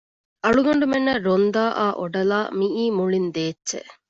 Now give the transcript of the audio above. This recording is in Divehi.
އަޅުގަނޑުމެންނަށް ރޮންދާ އާ އޮޑަލާ މިއީ މުޅީން ދޭއްޗެއް